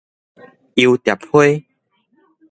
遊蝶花